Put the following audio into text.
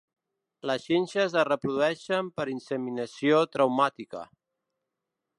Les xinxes es reprodueixen per inseminació traumàtica.